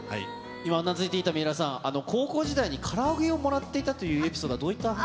今、うなずいていた水卜さん、高校時代にから揚げをもらっていたというエピソードはどういった